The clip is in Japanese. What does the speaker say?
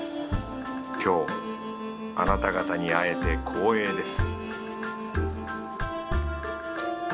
今日あなた方に会えて光栄です